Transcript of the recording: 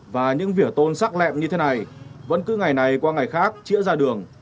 và những vỉa tôn sắc lẹm như thế này vẫn cứ ngày này qua ngày khác chĩa ra đường